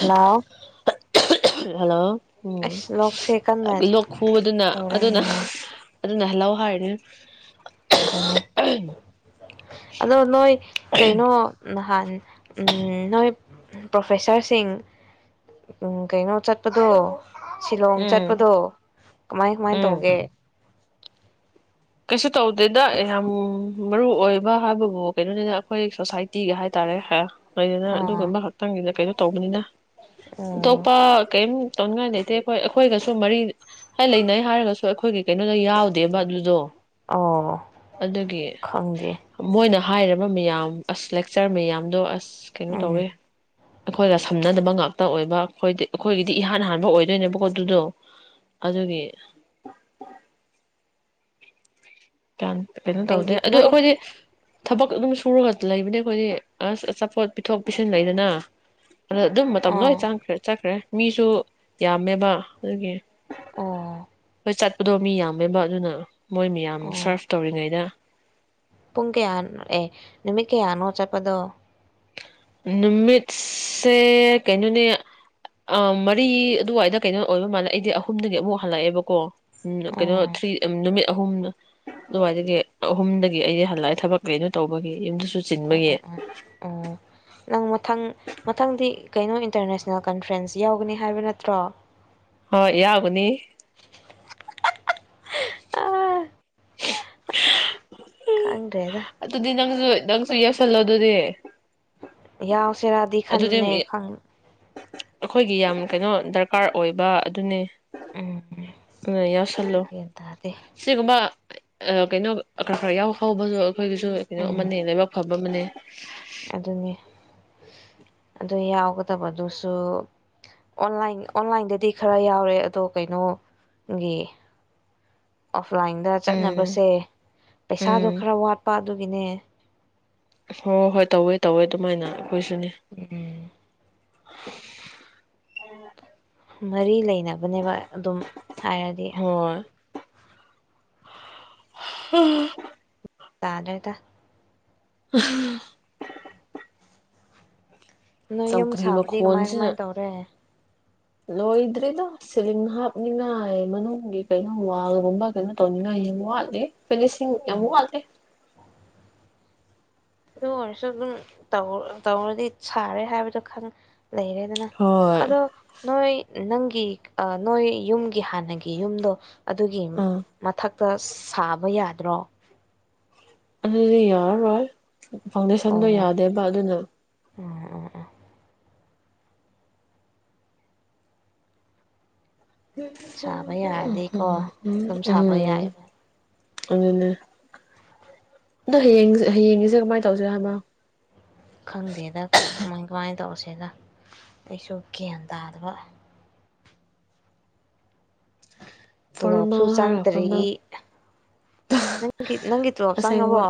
hello hello ꯎꯝ ꯀꯟꯅ ꯂꯣꯛ ꯈꯨꯨꯗꯨꯅ ꯑꯗꯨꯅ ꯇꯧꯔꯦꯅꯦ ꯑꯗꯨ ꯅꯂꯣ ꯍꯥꯏ ꯍꯥꯏꯔꯅ ꯑꯗꯨꯅꯤ ꯑꯗꯣ ꯅꯣꯏ ꯀꯩꯅꯣ ꯅꯍꯥꯟ ꯅꯣꯏ ꯄ꯭ꯔꯣꯐꯦꯁꯥꯔꯁꯤꯡ ꯀꯩꯅꯣ ꯆꯠꯄꯗꯣ ꯁꯤꯂꯣꯡ ꯎꯝ ꯆꯠꯄꯗꯣ ꯀꯃꯥꯏ ꯀꯃꯥꯏ ꯎꯝ ꯇꯧꯒꯦ ꯀꯩꯁꯨ ꯇꯧꯗꯦꯗ ꯌꯥꯝ ꯃꯔꯨ ꯑꯣꯏꯕ ꯍꯥꯏꯕꯕꯨ ꯀꯩꯅꯣꯅꯤꯅ ꯑꯩꯈꯣꯏ ꯁꯣꯁꯥꯏꯇꯤꯒ ꯍꯥꯏꯇꯥꯔꯦꯗꯅ ꯑꯥ ꯑꯗꯨꯒꯨꯝꯕ ꯈꯛꯇꯪꯒꯤꯅ ꯀꯩꯅꯣ ꯇꯧꯕꯅꯤꯅ ꯑꯣ ꯇꯣꯞꯄꯥ ꯀꯩꯝ ꯇꯧꯅꯤꯡꯉꯥꯏ ꯂꯩꯇꯦ ꯑꯩꯈꯣꯏ ꯑꯩꯈꯣꯏꯒꯁꯨ ꯃꯔꯤ ꯂꯩꯅꯩ ꯍꯥꯏꯔꯒꯁꯨ ꯑꯩꯈꯣꯏꯒꯤ ꯀꯩꯅꯣꯗ ꯌꯥꯎꯗꯦꯕ ꯑꯗꯨꯗꯣ ꯑꯣ ꯑꯗꯨꯒꯤ ꯈꯪꯗꯦ ꯃꯣꯏꯅ ꯍꯥꯏꯔꯕ ꯃꯌꯥꯝ ꯑꯁ ꯂꯦꯛꯆꯔ ꯃꯌꯥꯝꯗꯣ ꯑꯁ ꯀꯩꯅꯣ ꯎꯝ ꯇꯧꯋꯦ ꯑꯩꯈꯣꯏꯒ ꯁꯝꯅꯗꯕ ꯉꯥꯛꯇ ꯑꯣꯏꯕ ꯑꯩ ꯑꯩꯈꯣꯏꯒꯤꯗꯤ ꯏꯍꯥꯟ ꯍꯥꯟꯕ ꯑꯣꯏꯗꯣꯏꯅꯦꯕꯀꯣ ꯑꯗꯨꯗꯣ ꯑꯗꯨꯒꯤ ꯀꯌꯥꯝ ꯀꯩꯅꯣ ꯇꯧꯅꯤꯦ ꯑꯩꯗꯤ ꯑꯗꯨꯣ ꯅꯣꯏ ꯑꯩꯈꯣꯏꯗꯤ ꯊꯕꯛ ꯑꯗꯨꯝ ꯁꯨꯔꯒ ꯂꯩꯕꯅꯦ ꯑꯩꯈꯣꯏꯗꯤ ꯑꯁ ꯑꯆꯥꯄꯣꯠ ꯄꯤꯊꯣꯛ ꯄꯤꯁꯤꯟꯂꯏꯗꯅ ꯑꯗ ꯑꯗꯨꯝ ꯃꯇꯝ ꯂꯣꯏ ꯑꯥ ꯆꯪꯈ꯭ꯔꯦ ꯆꯠꯈ꯭ꯔꯦ ꯃꯤꯁꯨ ꯌꯥꯝꯃꯦꯕ ꯑꯗꯨꯒꯤ ꯑꯣ ꯍꯣꯏ ꯆꯠꯄꯗꯣ ꯃꯤ ꯌꯥꯝꯃꯦꯕ ꯑꯗꯨꯅ ꯃꯣꯏ ꯑꯣ ꯁꯔꯐ ꯇꯧꯔꯤꯉꯩꯗ ꯄꯨꯡ ꯀꯌꯥ ꯑꯦ ꯅꯨꯃꯤꯠ ꯀꯌꯥꯅꯣ ꯆꯠꯄꯗꯣ ꯅꯨꯃꯤꯠꯁꯦ ꯀꯩꯅꯣꯅꯦ ꯃꯔꯤ ꯑꯗꯨꯋꯥꯏꯗ ꯀꯩꯅꯣ ꯑꯣꯏꯕ ꯃꯥꯜꯂꯦ ꯑꯩꯗꯤ ꯑꯍꯨꯝꯗꯒꯤ ꯑꯃꯨꯛ ꯍꯜꯂꯛꯑꯦꯕꯀꯣ ꯎꯝ ꯀꯩꯅꯣ ꯊ꯭ꯔꯤ ꯅꯨꯃꯤꯠ ꯑꯍꯨꯝ ꯑꯗꯨꯋꯥꯏꯗꯒꯤ ꯑꯍꯨꯝꯗꯒꯤ ꯑꯩꯗꯤ ꯍꯜꯂꯛꯑꯦ ꯊꯕꯛ ꯀꯩꯅꯣ ꯇꯧꯕꯒꯤ ꯌꯨꯝꯗꯁꯨ ꯁꯨ ꯆꯤꯟꯕꯒꯤ ꯑꯥ ꯑꯥ ꯑꯣ ꯅꯪ ꯃꯊꯪ ꯃꯊꯪꯗꯤ ꯀꯩꯅꯣ ꯏꯟꯇꯔꯅꯦꯁꯅꯦꯜ ꯀꯟꯐ꯭ꯔꯦꯟꯁ ꯌꯥꯎꯒꯅꯤ ꯍꯥꯏꯕ ꯅꯠꯇ꯭ꯔꯣ ꯍꯣꯏ ꯌꯥꯎꯒꯅꯤ ꯑꯥ ꯈꯪꯗ꯭ꯔꯦꯗ ꯎ ꯑꯗꯨꯗꯤ ꯅꯪꯁꯨ ꯅꯪꯁꯨ ꯌꯦꯎꯁꯜꯂꯣ ꯑꯗꯨꯅꯦ ꯌꯥ ꯆꯦꯔꯥꯗꯤ ꯈꯟꯕꯅꯦ ꯈꯪ ꯑꯩꯈꯣꯏꯒꯤ ꯌꯥꯝ ꯀꯩꯅꯣ ꯗꯔꯀꯥꯔ ꯑꯣꯏꯕ ꯑꯗꯨꯅꯦ ꯎꯝ ꯑ ꯌꯥꯁꯂꯣ ꯒ꯭ꯌꯥꯟ ꯇꯥꯗꯦ ꯁꯤꯒꯕ ꯑ ꯀꯩꯅꯣ ꯈꯔ ꯈꯔ ꯌꯥꯎ ꯍꯥꯎꯕꯁꯨ ꯑꯩꯈꯣꯏꯒꯤꯁꯨ ꯀꯩꯅꯣ ꯎꯝ ꯑꯃꯅꯤ ꯂꯥꯏꯕꯛ ꯐꯕ ꯃꯅꯦ ꯑꯗꯨꯅꯤ ꯑꯗꯨ ꯌꯥꯎꯒꯗꯕꯗꯨꯁꯨ ꯑꯣꯟꯂꯥꯏꯟꯗꯗꯤ ꯈꯔ ꯌꯥꯎꯔꯦ ꯑꯗꯣ ꯀꯩꯅꯣꯒꯤ ꯑꯣꯐꯂꯥꯏꯟꯗ ꯎꯝ ꯆꯠꯅꯕꯁꯦ ꯄꯩꯁꯥꯗꯣ ꯎꯝ ꯈꯔ ꯋꯥꯠꯄ ꯑꯗꯨꯒꯤꯅꯦ ꯍꯣꯏ ꯍꯣꯏ ꯇꯧꯋꯦ ꯇꯧꯋꯦ ꯑꯗꯨꯃꯥꯏꯅ ꯍꯁꯨꯅꯤ ꯑ ꯎꯝ ꯃꯔꯤ ꯂꯩꯅꯕ ꯐꯕꯅꯦꯕ ꯑꯗꯨꯝ ꯍꯥꯏꯔꯗꯤ ꯎꯝ ꯇꯗꯔꯗ ꯑ ꯅꯣꯏ ꯌꯨꯝ ꯁꯥꯕꯗꯤ ꯀꯃꯥꯏ ꯃꯈꯣꯟꯁꯤꯅ ꯀꯃꯥꯏ ꯇꯧꯔꯦ ꯂꯣꯏꯗ꯭ꯔꯦꯗ ꯁꯤꯂꯤꯡ ꯍꯥꯞꯅꯤꯡꯉꯥꯏ ꯃꯅꯨꯡꯒꯤ ꯀꯩꯅꯣ ꯋꯥꯜꯒꯨꯝꯕ ꯀꯩꯅꯣ ꯇꯧꯅꯤꯡꯉꯥꯏ ꯌꯥꯝ ꯋꯥꯠꯂꯤ ꯐꯤꯂꯤꯁꯤꯡ ꯎꯝ ꯌꯥꯝꯃꯨ ꯋꯥꯒꯦ ꯑꯗꯨ ꯑꯣꯏꯔꯁꯨ ꯑꯗꯨꯝ ꯇꯧꯔꯗꯤ ꯁꯥꯔꯦ ꯍꯥꯏꯕꯗꯣ ꯈꯪ ꯂꯩꯔꯦꯗꯅ ꯍꯣꯏ ꯑꯗꯣ ꯅꯣꯏ ꯅꯪ ꯑ ꯅꯣꯏ ꯌꯨꯝꯒꯤ ꯍꯥꯟꯅꯒꯤ ꯌꯨꯝꯗꯣ ꯑꯗꯨꯒꯤ ꯑꯥ ꯃꯊꯛ ꯇ ꯁꯥꯕ ꯌꯥꯗ꯭ꯔꯣ ꯑꯗꯤ ꯌꯔ ꯐꯥꯎꯟꯗꯦꯁꯟꯗꯣ ꯌꯥꯗꯦꯕ ꯑꯗꯨꯅ ꯑꯣ ꯑꯣ ꯁꯥꯕ ꯌꯥꯔꯗꯤꯀꯣ ꯝ ꯑꯗꯨꯝ ꯁꯥꯕ ꯎꯝ ꯌꯥꯏꯑꯕ ꯑꯗꯨꯅꯦ ꯑꯗꯣ ꯍꯌꯦꯡꯦ ꯍꯌꯦꯡꯒꯤꯁꯦ ꯀꯃꯥꯏ ꯇꯧꯁꯤꯦ ꯍꯥꯏꯃ ꯈꯪꯗꯦꯗ ꯃ ꯀꯃꯥꯏ ꯇꯁꯤ ꯁꯤꯗ ꯑꯩꯁꯨ ꯒ꯭ꯌꯥꯟ ꯇꯥꯗꯕ ꯇꯣꯂꯣꯞꯁꯨ ꯐꯣꯔꯃꯦꯜ ꯍꯥꯏꯔꯒ ꯆꯪꯗ꯭ꯔꯤ ꯐꯣꯔꯃꯦꯜ ꯅꯪꯒꯤ ꯅꯪꯒꯤ ꯇꯣꯂꯣꯞ ꯆꯪꯉꯕꯣ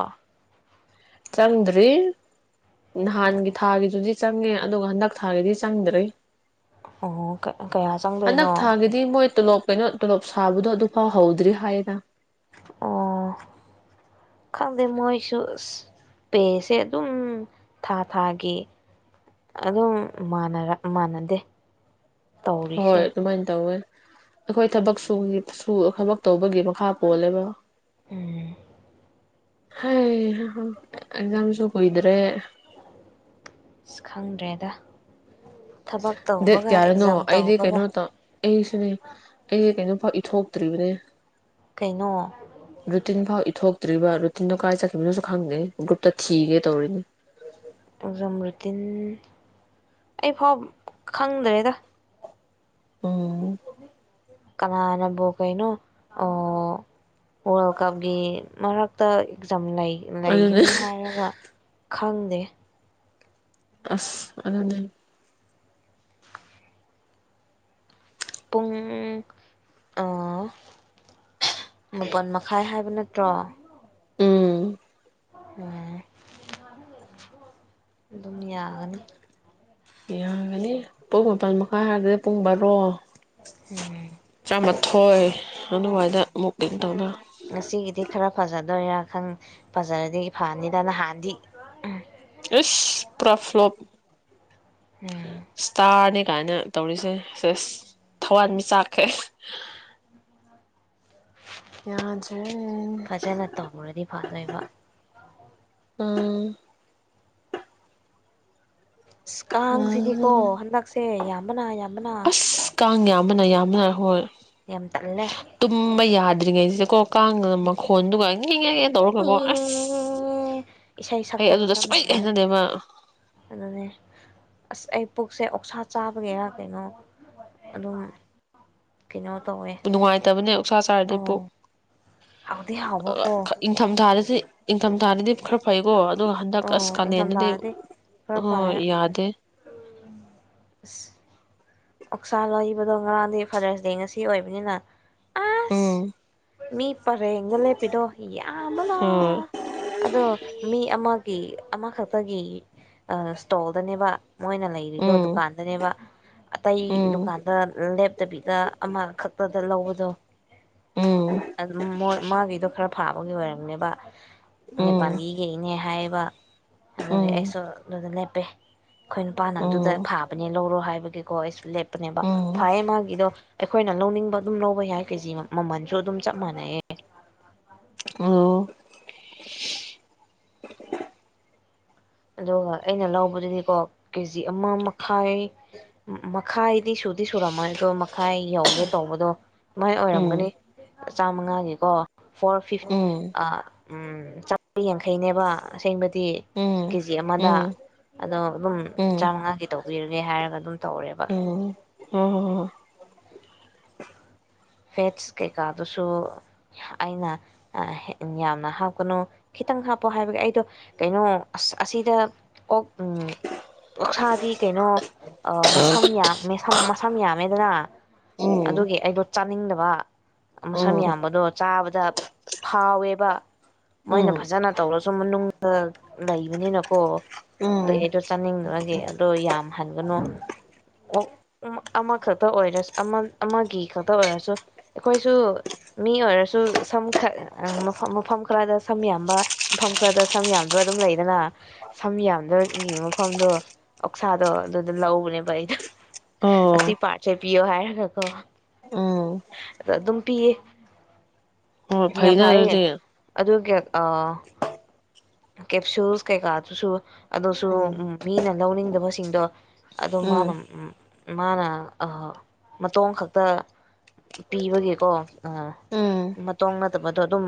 ꯆꯟ꯭ꯔꯔꯤ ꯅꯍꯥꯟꯒꯤ ꯊꯥꯒꯤꯗꯨꯗꯤ ꯆꯪꯉꯦ ꯑꯗꯨꯒ ꯍꯟꯗꯛ ꯊꯥꯒꯤꯗꯤ ꯆꯪꯗ꯭ꯔꯔꯤ ꯑꯣ ꯀꯌꯥ ꯍꯟꯗꯛ ꯆꯪꯗꯣꯏꯅꯣ ꯊꯥꯒꯤꯗꯤ ꯃꯣꯏ ꯇꯣꯂꯣꯞ ꯀꯩꯅꯣ ꯞ ꯁꯥꯕꯗꯣ ꯑꯗꯨ ꯐꯥꯎ ꯍꯧꯗ꯭ꯔꯤ ꯍꯥꯏꯅ ꯑꯣ ꯈꯪꯗꯦ ꯃꯣꯏꯁꯨ ꯑꯁ ꯄꯦꯁꯦ ꯑꯗꯨꯝ ꯊꯥ ꯊꯥꯒꯤ ꯑꯗꯨꯝ ꯃꯥꯟꯅꯗꯦ ꯍꯣꯏ ꯇꯧꯔꯤꯁꯦ ꯑꯗꯨꯃꯥꯏꯅ ꯇꯧꯋꯦ ꯑꯩꯈꯣꯏ ꯊꯕꯛ ꯁꯨ ꯊꯕꯛ ꯇꯧꯕꯒꯤ ꯃꯈꯥ ꯄꯣꯜꯂꯦꯕ ꯎꯝ ꯍ ꯑꯦꯛꯖꯝꯁꯨ ꯀꯣꯏꯗ꯭ꯔꯦ ꯁ ꯈꯪꯗ꯭ꯔꯦꯗ ꯊꯕꯛ ꯗꯦꯠ ꯇꯧꯕꯒ ꯀꯌꯥꯔꯅꯣ ꯑꯦꯛꯖꯥꯝ ꯑꯩꯗꯤ ꯇꯧꯕꯒ ꯀꯩꯅꯣ ꯇ ꯑꯩꯁꯤꯅꯦ ꯑꯩꯗꯤ ꯀꯩꯅꯣ ꯄꯥ ꯏꯠ ꯍꯣꯛꯇ꯭ꯔꯤꯕꯅꯦ ꯀꯩꯅꯣ ꯔꯨꯇꯤꯟꯚꯥꯎ ꯏꯊꯣꯛ ꯆꯛꯇ꯭ꯔꯤꯕ ꯑꯗꯨꯣ ꯇꯤꯟꯗꯨꯣ ꯀꯥꯏ ꯆꯠꯈꯤꯕꯅꯁꯨ ꯈꯪꯗꯦ ꯒ꯭ꯔꯨꯞꯇ ꯊꯤꯒꯦ ꯇꯧꯔꯤꯅꯦ ꯖꯝꯔꯨꯗꯤꯟ ꯑꯩ ꯐꯥꯎ ꯈꯪꯗ꯭ꯔꯦꯗ ꯎꯝ ꯀꯅꯥꯅꯕꯨ ꯀꯩꯅꯣ ꯑꯣ ꯋꯥꯔꯜ ꯀꯞꯀꯤ ꯃꯔꯛꯇ ꯑꯦꯛꯖꯝ ꯂꯩ ꯑꯗꯨꯅꯦ ꯂꯩꯒꯅꯤ ꯍꯥꯏꯔꯒ ꯈꯪꯗꯦ ꯑꯁ ꯑꯗꯨꯅꯦ ꯄꯨꯡ ꯑ ꯃꯥꯄꯜ ꯃꯈꯥꯏ ꯍꯥꯏ ꯅꯠꯇ꯭ꯔꯣ ꯎꯝ ꯎꯝ ꯑꯗꯨꯝ ꯌꯥꯒꯅꯤ ꯌꯥꯒꯅꯤ ꯄꯨꯡ ꯃꯥꯄꯜ ꯃꯈꯥꯏ ꯍꯥꯏꯔꯗꯤ ꯄꯨꯡ ꯕꯥꯔꯣ ꯎꯝ ꯇꯥꯃꯥꯊꯣꯏ ꯑꯗꯨꯋꯥꯏꯗ ꯑꯃꯨꯛ ꯏ ꯇꯧꯅ ꯉꯁꯤꯒꯤꯗꯤ ꯈꯔ ꯐꯖꯗꯣꯏꯔꯥ ꯈꯪ ꯐꯖꯔꯗꯤ ꯐꯅꯤꯗ ꯅꯍꯥꯟꯗꯤ ꯎꯝ ꯁ ꯄ꯭ꯔꯐ꯭ꯂꯞ ꯎꯝ ꯁꯊꯅꯤ ꯀꯥꯏꯅ ꯇꯧꯔꯤꯁꯦ ꯁꯦꯁ ꯊꯋꯥꯟꯃꯤ ꯆꯥꯛꯈ꯭ꯔꯦ ꯌꯥꯗ꯭ꯔꯦ ꯐꯖꯅ ꯇꯧꯈ꯭ꯔꯗꯤ ꯐꯗꯣꯏꯕ ꯎꯝ ꯑ ꯀꯥꯡꯁꯤꯗꯤꯀꯣ ꯎꯝ ꯍꯟꯗꯛꯁꯦ ꯌꯥꯝ ꯅꯥ ꯂꯅ ꯑꯁ ꯀꯥꯡ ꯌꯥꯝꯕꯅ ꯌꯥꯝꯕꯅ ꯍꯣꯏ ꯌꯥꯝꯊꯠꯂꯦ ꯀꯣ ꯀꯥꯡꯗ ꯃꯈ ꯈꯣꯟ ꯑꯗꯨꯒꯉ ꯏꯁꯥ ꯏ ꯑꯩ ꯑꯗꯨꯗ ꯁꯨꯡꯍꯩ ꯁꯛꯄꯒꯖꯃꯅ ꯍꯩꯅꯗꯦꯕ ꯑꯗꯨꯅꯦ ꯑꯁ ꯑꯩ ꯄꯨꯛꯁꯦ ꯑꯣꯛꯁꯥ ꯆꯥꯕꯒꯤꯔ ꯀꯩꯅꯣ ꯑꯗꯨꯝ ꯀꯩꯅꯣ ꯇꯧꯋꯦ ꯅꯨꯡꯉꯥꯏꯇꯕꯅꯦ ꯎꯁꯥ ꯆꯥꯔꯗꯤ ꯄꯨ ꯑꯣ ꯍꯥꯎꯗꯤ ꯍꯥꯎꯕꯀꯣ ꯏꯪ ꯊꯝ ꯊꯥꯔ ꯁꯤ ꯏꯟꯀꯝ ꯇꯥꯔꯗꯤ ꯈꯔ ꯐꯩꯀꯣ ꯑꯗꯨꯒ ꯍꯟꯗꯛ ꯑꯁ ꯑꯣ ꯀꯅꯦꯅꯗꯤ ꯏꯪꯊꯝꯊꯥꯗꯤ ꯈꯔ ꯍ ꯐꯩ ꯎꯝ ꯌꯥꯗꯦ [unintelligible] ꯑꯣꯛꯁꯥ ꯂꯕꯗꯣ ꯉꯔꯥꯡꯗꯤ ꯐꯥꯗꯔꯁ ꯗꯦ ꯉꯁꯤ ꯑꯣꯏꯕꯅꯤꯅ ꯄꯥꯁ ꯎꯝ ꯃꯤ ꯄꯔꯦꯡꯒ ꯂꯦꯞꯄꯤꯗꯣ ꯌꯥꯝꯕ ꯂ ꯍꯣꯏ ꯑꯗꯣ ꯃꯤ ꯑꯃ ꯑꯃꯈꯛꯇꯒꯤ ꯏꯁꯇꯣꯜꯗꯅꯦꯕ ꯃꯣꯏꯅ ꯂꯩꯔꯤꯗꯣ ꯎꯝ ꯗꯨꯀꯥꯟꯗꯅꯦꯕ ꯑꯇꯩ ꯎꯝ ꯗꯨꯀꯥꯟꯗ ꯂꯦꯞꯇꯕꯤꯗ ꯑꯃꯈꯛꯇꯗ ꯂꯧꯕꯗꯣ ꯎꯝ ꯑꯗꯨ ꯃꯥꯒꯤꯗꯣ ꯈꯔ ꯐꯥꯕꯒꯤ ꯑꯣꯏꯔꯝꯅꯦꯕ ꯎꯝ ꯅꯦꯄꯥꯂꯤꯈꯩꯅꯦ ꯍꯥꯏ ꯋꯥ ꯎꯝ ꯑꯁꯣ ꯑꯗꯨ ꯂ ꯠꯇꯦ ꯑꯩꯈꯣꯏ ꯅꯨꯄꯥꯅ ꯑꯗꯨꯗ ꯎꯝ ꯐꯥꯕꯅꯦ ꯂꯧꯔꯣ ꯍꯥꯏꯕ ꯀꯣꯣꯏ ꯁꯂꯦꯞ ꯅꯦꯕ ꯎꯝ ꯐꯥꯏ ꯃꯥꯒꯤꯗꯣ ꯑꯩꯈꯣꯏꯅ ꯂꯧꯅꯤꯡꯕ ꯑꯗꯨꯝ ꯂꯧꯕ ꯌꯥꯏ ꯀꯦꯖꯤ ꯃꯃꯜꯁꯨ ꯑꯗꯨꯝ ꯆꯞ ꯃꯥꯟꯅꯩꯑꯦ ꯑꯣ ꯑꯗꯨꯒ ꯑꯩꯅ ꯂꯧꯕꯗꯨꯗꯤꯀꯣ ꯀꯦꯖꯤ ꯑꯃ ꯃꯈꯥꯏ ꯃꯈꯥꯏꯗꯤ ꯁꯨꯗꯤ ꯁꯨꯔꯝꯃꯣꯏ ꯑꯗꯣ ꯃꯈꯥꯏ ꯌꯧꯒꯦ ꯇꯧꯕꯗꯣ ꯃꯣꯏ ꯑꯣꯏꯔꯝꯒꯅꯤ ꯎꯝ ꯆꯥꯃꯉꯥꯒꯤꯀꯣ ꯐꯣꯔ ꯐꯤꯐ ꯎꯝ ꯆꯥꯃ ꯌꯥꯡꯈꯩꯅꯦꯕ ꯑꯁꯦꯡꯕꯗꯤ ꯎꯝ ꯀꯦꯖꯤ ꯑꯃꯗ ꯎꯝ ꯑꯗꯣ ꯑꯗꯨꯝ ꯎꯝ ꯆꯥꯃꯉꯥꯒꯤ ꯇꯧꯕꯤꯔꯒꯦ ꯍꯥꯏꯔꯒ ꯑꯗꯨꯝ ꯇꯧꯔꯦꯕ ꯎꯝ ꯍꯣꯏ ꯍꯣꯏ ꯐꯦꯠꯁ ꯀꯩꯀꯥꯗꯨꯁꯨ ꯑꯩꯅ ꯌꯥꯝꯅ ꯍꯥꯞꯀꯅꯨ ꯈꯤꯇꯪ ꯍꯥꯞꯄꯣ ꯍꯥꯏꯕꯒꯤ ꯑꯩꯗꯣ ꯀꯩꯅꯣ ꯑꯁ ꯑꯁꯤꯗ ꯑꯣ ꯑꯣꯛꯁꯥꯗꯤ ꯀꯩꯅꯣ ꯃꯁꯝ ꯌꯥꯝ ꯃꯁꯝ ꯌꯥꯝꯃꯦꯗꯅ ꯍꯣꯏ ꯎꯝ ꯑꯗꯨꯒꯤ ꯑꯩꯗꯣ ꯆꯥꯅꯤꯡꯗꯕ ꯃꯁꯝ ꯎꯝ ꯌꯥꯝꯕꯗꯣ ꯆꯥꯕꯗ ꯐꯥꯎꯋꯦꯕ ꯃꯣꯏꯅ ꯎꯝ ꯐꯖꯅ ꯇꯧꯔꯁꯨ ꯃꯅꯨꯡꯗ ꯂꯩꯕꯅꯤꯅꯀꯣ ꯑꯩ ꯎꯝ ꯑꯩꯗꯣ ꯆꯥꯅꯤꯡꯗ꯭ꯔꯒꯤ ꯑꯗꯣ ꯌꯥꯝ ꯍꯟꯒꯅꯨ ꯑꯃꯈꯛꯇ ꯑꯣꯏꯔꯁꯨ ꯑꯃꯒꯤ ꯈ ꯈꯇ ꯑꯣꯏꯔꯁꯨ ꯑꯩꯈꯣꯏꯁꯨ ꯃꯤ ꯑꯣꯏꯔꯁꯨ ꯁꯝ ꯃꯐꯝ ꯈꯔꯗ ꯁꯝ ꯌꯥꯝꯕ ꯃꯐꯝ ꯈꯔꯗ ꯁꯝ ꯌꯥꯝꯗꯕ ꯑꯗꯨꯝ ꯂꯩꯗꯅ ꯁꯝ ꯌꯥꯝꯗꯕꯒꯤ ꯃꯐꯝꯗꯣ ꯑꯣꯛꯁꯥꯗꯣ ꯑꯗꯨꯗ ꯂꯧꯕꯅꯦꯕ ꯑꯩꯗꯣ ꯑꯣ ꯑꯁꯤ ꯄꯥꯔꯠꯁꯦ ꯄꯤꯌꯣ ꯍꯥꯏꯔꯒꯀꯣ ꯎꯝ ꯑꯗ ꯑꯗꯨꯝ ꯄꯤꯌꯦ ꯍꯣꯏ ꯌꯥꯝ ꯐꯩꯅ ꯐꯥꯏꯌꯦ ꯑꯗꯨꯗꯤ ꯑꯗꯨꯒꯤ ꯑꯥ ꯀꯦꯞꯁꯨꯜꯁ ꯀꯩꯀꯥꯗꯨꯁꯨ ꯑꯗꯨꯁꯨ ꯎꯝ ꯃꯤꯅ ꯂꯧꯅꯤꯡꯗꯕꯁꯤꯡꯗꯣ ꯑꯗꯨꯝ ꯃꯥꯅ ꯎꯝ ꯃꯥꯅ ꯃꯇꯣꯡ ꯈꯛꯇ ꯄꯤꯕꯒꯤꯀꯣ ꯎꯝ ꯃꯇꯣꯡ ꯅꯠꯇꯕꯗꯣ ꯑꯗꯨꯝ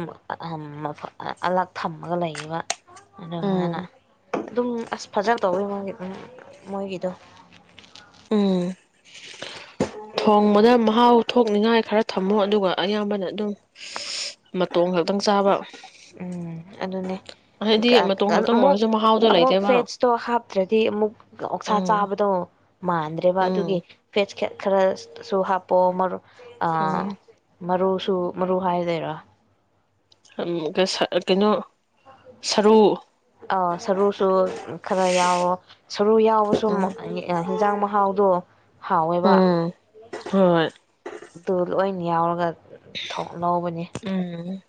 ꯑꯂꯛ ꯊꯝꯃꯒ ꯂꯩꯌꯦꯕ ꯑꯗꯣ ꯃꯥꯅ ꯎꯝ ꯑꯗꯨꯝ ꯑꯁ ꯐꯖꯅ ꯇꯧꯕꯋꯤ ꯃꯥꯒꯤ ꯃꯣꯏꯒꯤꯗꯣ ꯍꯣꯡꯃꯗ ꯃꯍꯥꯎ ꯊꯣꯛꯅꯤꯡꯉꯥꯏ ꯈꯔ ꯊꯝꯃꯣ ꯑꯗꯨꯒ ꯑꯌꯥꯝꯕꯅ ꯑꯗꯨꯝ ꯃꯇꯣꯡ ꯈꯛꯇꯪ ꯆꯥꯕ ꯎꯝ ꯑꯗꯨꯅꯦ ꯍꯥꯏꯗꯤ ꯃꯇꯣꯡ ꯈꯛꯇꯪ ꯑꯃꯨꯛ ꯑꯣꯏꯔꯁꯨ ꯃꯍꯥꯎꯗꯣ ꯑꯃꯨꯛ ꯂꯩꯇꯦꯕ ꯐꯦꯠꯇ ꯍꯥꯞꯇ꯭ꯔꯦ ꯑꯃꯨꯛ ꯑꯣꯛꯁꯥ ꯎꯝ ꯆꯥꯕꯗꯣ ꯃꯥꯟꯗ꯭ꯔꯦꯕ ꯑꯗꯨꯒꯤ ꯎꯝ ꯐꯦꯠ ꯈꯦꯠ ꯈꯔ ꯁꯨ ꯍꯥꯞꯄꯑꯣ ꯃꯔꯨ ꯃꯔꯨꯁꯨ ꯃꯔꯨ ꯍꯥꯏꯔꯗꯣꯏꯔꯣ ꯎꯝ ꯀ ꯀꯩꯅꯣ ꯁꯔꯨ ꯑ ꯁꯔꯨꯁꯨ ꯈꯔ ꯌꯥꯎꯋꯣ ꯁꯔꯨ ꯌꯥꯎꯕꯁꯨ ꯎꯝ ꯑꯦꯟꯖꯥꯡ ꯃꯍꯥꯎꯗꯣ ꯍꯥꯎꯋꯦꯕ ꯍꯣꯏ ꯑꯗꯨ ꯂꯣꯏꯅ ꯌꯥꯎꯔꯒ ꯊꯣꯛ ꯂꯧꯕꯅꯤ ꯎꯝ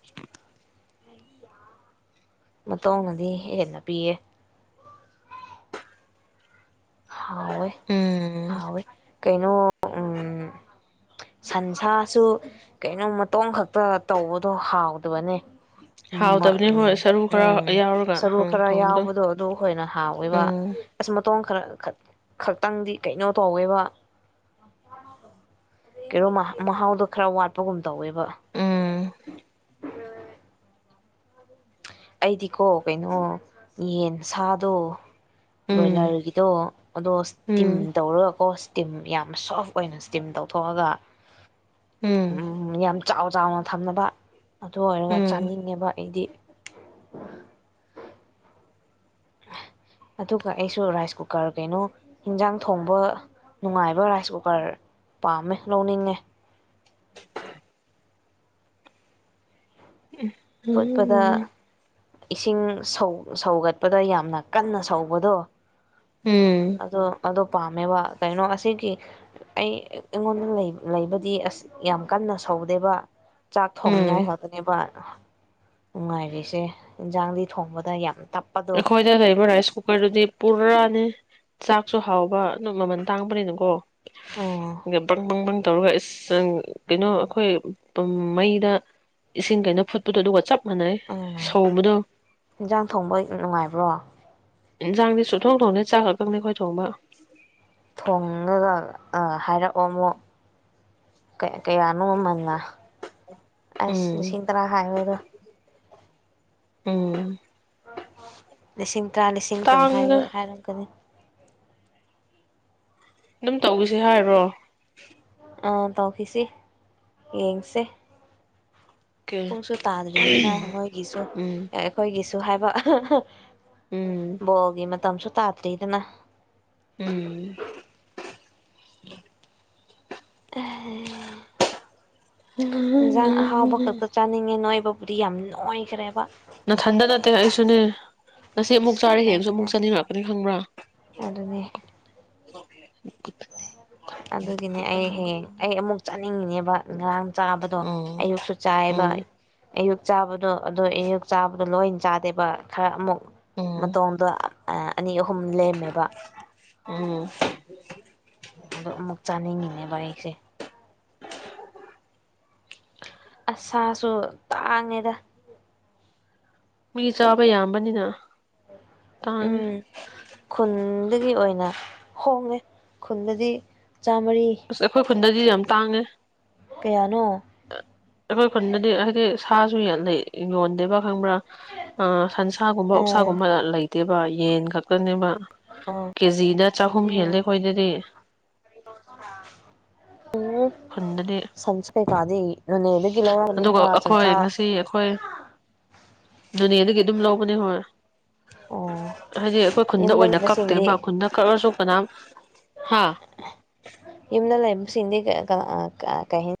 ꯃꯇꯧꯅꯗꯤ ꯍꯦꯟꯅ ꯄꯤꯌꯦ ꯍꯣꯏ ꯎꯝ ꯍꯣꯏ ꯀꯩꯅꯣ ꯎꯝ ꯁꯟꯁꯥꯁꯨ ꯀꯩꯅꯣ ꯃꯇꯣ ꯈꯛꯇ ꯇꯧꯕꯗꯣ ꯍꯥꯎꯗꯕꯅꯦ ꯎꯝ ꯍꯥꯎꯇꯕꯅꯤ ꯎꯝ ꯍꯣꯏ ꯁꯔꯨ ꯈꯔ ꯎꯝ ꯌꯥꯎꯔꯒ ꯁꯔꯨ ꯈꯔ ꯊꯣꯡꯕꯗꯣ ꯌꯥꯎꯕꯗꯣ ꯑꯗꯨ ꯍꯣꯏꯅ ꯎꯝ ꯍꯥꯎꯋꯤꯕꯁ ꯇꯣꯡꯈ꯭ꯔ ꯈꯛꯇꯪꯗꯤ ꯀꯩꯅꯣ ꯇꯧꯋꯦꯕ ꯀꯩꯅꯣ ꯃꯍꯥꯎꯗꯣ ꯈꯔ ꯋꯥꯠꯄꯒꯨꯝ ꯇꯧꯋꯦꯕ ꯎꯝ ꯑ ꯑꯩꯗꯤꯀꯣ ꯀꯩꯅꯣ ꯌꯦꯟ ꯁꯥꯗꯣ ꯎꯝ ꯕ꯭ꯔꯣꯏꯂꯔꯒꯤꯗꯣ ꯑꯗꯣ ꯏꯁꯇꯤꯝ ꯎꯝ ꯇꯧꯔꯒꯀꯣ ꯏꯁꯇꯤꯝ ꯌꯥꯝ ꯁꯣꯐ ꯑꯣꯏꯅ ꯏꯁꯇꯤꯝ ꯇꯧꯊꯣꯛꯑꯒ ꯎꯝ ꯌꯥꯝ ꯆꯥꯎ ꯆꯥꯎꯅ ꯊꯝꯅꯕ ꯑꯗꯨ ꯑꯣꯏꯔꯒ ꯎꯝ ꯆꯥꯅꯤꯡꯉꯦꯕ ꯑꯩꯗꯤ ꯎ ꯑꯗꯨꯒ ꯑꯩꯁꯨ ꯔꯥꯏꯁ ꯀꯨꯀꯔ ꯀꯩꯅꯣ ꯑꯦꯟꯖꯥꯡ ꯊꯣꯡꯕ ꯅꯨꯡꯉꯥꯏꯕ ꯔꯥꯏꯁ ꯀꯨꯀꯔ ꯄꯥꯝꯃꯦ ꯂꯧꯅꯤꯡꯉꯦ ꯐꯨꯠꯄꯗ ꯎꯝ ꯏꯁꯤꯡ ꯁꯧꯒꯠꯄꯗ ꯌꯥꯝꯅ ꯀꯟꯅ ꯁꯧꯕꯗꯣ ꯎꯝ ꯑꯗꯣ ꯑꯗꯣ ꯄꯥꯝꯃꯦꯕ ꯀꯩꯅꯣ ꯑꯁꯤꯒꯤ ꯑꯩ ꯑꯩꯉꯣꯟꯗ ꯂꯩꯕꯗꯤ ꯑꯁ ꯌꯥꯝ ꯀꯟꯅ ꯁꯧꯗꯦꯕ ꯆꯥꯛ ꯊꯣꯡꯅꯤꯡꯉꯥꯏ ꯎꯝ ꯍꯥꯏꯗꯅꯦꯕ ꯑ ꯅꯨꯡꯉꯥꯏꯔꯤꯁꯦ ꯏꯟꯁꯥꯡꯗꯤ ꯊꯣꯡꯕꯗ ꯌꯥꯝ ꯇꯞꯄꯗꯣ ꯑꯩꯈꯣꯏꯗ ꯂꯩꯔꯤꯕ ꯔꯥꯏꯁ ꯀꯨꯀꯔꯗꯨꯗꯤ ꯄꯨꯔꯥꯅꯤ ꯆꯥꯛꯁꯨ ꯍꯥꯎꯕ ꯑꯗꯨ ꯃꯃꯜ ꯇꯥꯡꯕꯅꯤꯅꯀꯣ ꯎꯝ ꯕ ꯇꯧꯔꯒ ꯑꯁ ꯀꯩꯅꯣ ꯑꯩꯈꯣꯏ ꯃꯩꯗ ꯏꯁꯤꯡ ꯀꯩꯅꯣ ꯐꯨꯠꯄꯗꯣ ꯑꯗꯨꯒ ꯆꯞ ꯎꯝ ꯃꯥꯟꯋꯁꯧꯕꯗꯣ ꯕ꯭ꯔ‌ꯣ ꯏꯟꯁꯥꯡꯗꯤ ꯁꯨ ꯊꯣꯡ ꯊꯣꯡꯗ‌ꯦ ꯆꯥꯛ ꯈꯛꯇꯪꯅꯦ ꯑꯩꯈꯣꯏ ꯊꯣꯡꯕ ꯊꯣꯡꯉꯥꯒ ꯍꯥꯏꯔꯛꯑꯣ ꯑꯃꯨꯛ ꯀꯩ ꯀꯌꯥꯅꯣ ꯃꯃꯜꯅ ꯑꯁ ꯎꯝ ꯂꯤꯁꯤꯡ ꯇꯔꯥ ꯍꯥꯏꯕꯗꯣ ꯎꯝ ꯂꯤꯁꯤꯡ ꯇꯔꯥ ꯂꯤꯁꯤꯡ ꯀꯨꯟ ꯇꯥꯡꯉꯤꯗ ꯍꯥꯏꯔꯛꯀꯅꯤ ꯑꯗꯨꯝ ꯇꯧꯁꯦ ꯍꯥꯏꯕꯔꯣ ꯑꯥ ꯇꯧꯈꯤꯁꯤ ꯌꯦꯡꯁꯦ ꯀꯦ ꯄꯨꯡꯁꯨ ꯇꯥꯗ꯭ꯔꯤꯗꯅ ꯅꯣꯏꯒꯤꯁꯨ ꯎꯝ ꯑꯩꯈꯣꯏꯒꯤꯁꯨ ꯑꯗꯨ ꯍꯥꯏꯕ ꯎꯝ ꯕꯜꯣꯒꯤ ꯃꯇꯥꯡ ꯃꯇꯝꯁꯨ ꯇꯥꯗ꯭ꯔꯤꯗꯅ ꯎꯝ ꯎ ꯑꯦꯍ‌ꯦ ꯏꯟꯁꯥꯡ ꯑꯍꯥꯎꯕ ꯈꯛꯇ ꯆꯥꯅꯤꯡꯉꯦ ꯅꯣꯏꯕꯨ ꯕꯨꯗꯤ ꯌꯥꯝ ꯅ‌ꯣꯏꯈ꯭ꯔꯦꯕ ꯅꯊꯟꯗꯥꯗ ꯇꯜꯂꯛꯑꯁꯨꯅ‌ꯦ ꯉꯁꯤ ꯑꯃꯨꯛ ꯑꯁ ꯆꯥꯔꯦ ꯍꯦꯡꯁꯨ ꯑꯃꯨꯛ ꯀꯗꯥꯏꯗꯒꯤ ꯆꯥꯅꯤꯡꯉꯛꯀꯅꯤ ꯈꯪꯕ꯭ꯔꯥ ꯑꯣ ꯑꯗꯨꯅꯦ ꯑꯗꯨꯒꯤꯅꯦ ꯑꯩ ꯍꯌ‌ꯦꯡ ꯑꯩ ꯑꯃꯨꯛ ꯆꯥꯅꯤꯡ ꯅꯤꯡꯉꯤꯅꯦꯕ ꯉꯔꯥꯡ ꯆꯥꯕꯗꯣ ꯎꯝ ꯑꯌꯨꯛꯁꯨ ꯆꯥꯏꯌ‌ꯦꯕ ꯎꯝ ꯑꯌꯨꯛ ꯆꯥꯕ ꯗꯣ ꯑꯗꯨ ꯑꯌꯨꯛ ꯆꯥꯕꯗꯣ ꯂꯣꯏꯅ ꯆꯥꯗ‌ꯦꯕ ꯈꯔ ꯑꯃꯨꯛ ꯎꯝ ꯃꯗ‌ꯣꯝꯗ ꯑꯅꯤ ꯑꯍꯨꯝ ꯂꯦꯝꯃꯦꯕ ꯎꯡ ꯑꯗ‌ꯣ ꯑꯃꯨꯛ ꯆꯥꯅꯤꯡꯉꯤꯅꯦꯕꯥ ꯑꯩꯁꯦ ꯑꯁ ꯁꯥꯁꯨ ꯇꯥꯡꯉꯦꯗ ꯃꯤ ꯆꯥꯕ ꯌꯥꯝꯕꯅꯤꯅ ꯇꯥꯡꯉꯦ ꯎꯝ ꯈꯨꯟ ꯑꯗꯨꯒꯤ ꯑꯣꯏꯅ ꯍꯣꯡꯉꯦ ꯈꯨꯟꯗꯗꯤ ꯆꯥꯝꯃꯔꯤ ꯑꯁ ꯑꯩꯈꯣꯏ ꯈꯨꯟꯗꯗꯤ ꯌꯥꯝ ꯇꯥꯡꯉꯦ ꯀꯌꯥꯅꯣ ꯑꯩꯈꯣꯏ ꯈꯨꯟꯅꯗꯤ ꯍꯥꯏꯗꯤ ꯁꯥꯁꯨ ꯂꯩ ꯌꯣꯟꯗꯦꯕ ꯈꯪꯕ꯭ꯔꯥ ꯑ ꯁꯟꯁꯥꯒꯨꯝꯕ ꯑꯥ ꯑꯣꯠꯁꯥꯒꯨꯝꯕ ꯂꯩ ꯇꯦꯕ ꯌꯦꯟ‌ ꯈꯛ ꯇꯅꯦꯕ ꯑꯥ ꯀꯦꯖꯤꯗ ꯆꯍꯨꯝ ꯍꯦꯜꯂꯦ ꯑꯩꯈꯣꯏꯗꯗꯤ ꯎꯝ ꯈꯨꯟꯗꯗꯤ ꯁꯟꯁ ꯀꯩ ꯀꯥ ꯗꯤ ꯅ‌ꯣꯅ‌ꯦꯗꯒꯤ ꯑꯗꯨꯒ ꯂꯧꯔꯕꯅꯤꯗꯥꯅ ꯑꯩꯈꯣꯏ ꯁꯟꯁꯥ ꯉꯁꯤ ꯅ‌ꯣꯅꯦꯗꯒꯤ ꯑꯗꯨꯝ ꯂꯧꯕꯅꯦ ꯑꯩꯈ‌ꯣꯏ ꯑꯣ ꯍꯥꯏꯗꯤ ꯑꯩꯈꯣꯏ ꯈꯨꯟꯗ ꯌꯨꯝꯗ ꯑꯣꯏꯅ ꯂꯩꯕꯁꯤꯡꯗꯤ ꯀꯛꯇꯦꯕ ꯈꯨꯟꯗ ꯀꯛꯑꯁꯨ ꯀꯅꯥꯝ ꯍꯥ ꯌꯨꯝꯗ ꯂꯩ ꯁꯤꯡꯗꯤ ꯑ ꯀ ꯀꯩ ꯍꯥꯏꯅꯤ